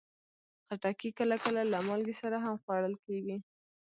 خټکی کله کله له مالګې سره هم خوړل کېږي.